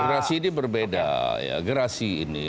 gerasi ini berbeda gerasi ini